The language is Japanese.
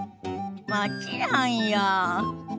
もちろんよ。